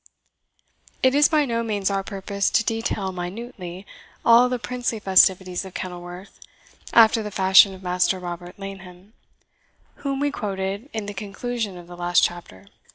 It is by no means our purpose to detail minutely all the princely festivities of Kenilworth, after the fashion of Master Robert Laneham, whom we quoted in the conclusion of the last chapter.